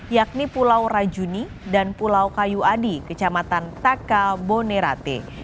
yakni pulau rajuni dan pulau kayu adi kecamatan taka bonerate